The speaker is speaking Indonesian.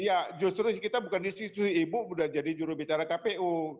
ya justru kita bukan di sisi ibu sudah jadi juru bicara kpu